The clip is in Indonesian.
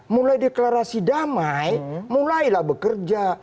mulai deklarasi damai mulailah bekerja